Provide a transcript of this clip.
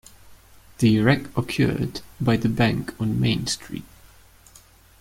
The wreck occurred by the bank on Main Street.